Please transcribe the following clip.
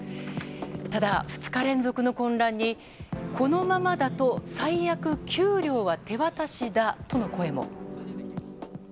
ただ、２日連続の混乱にこのままだと最悪、給料は手渡しだとの声も。